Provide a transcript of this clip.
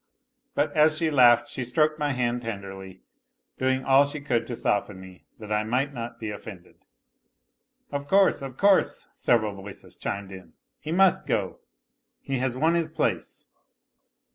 But as she laughed she stroked my hand tenderly, doing all she could to soften me, that I might not be offended. " Of course, of course," several voices chimed in; " he must go, he has won his place."